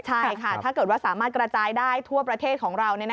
ใช่ค่ะถ้าเกิดว่าสามารถกระจายได้ทั่วประเทศของเรา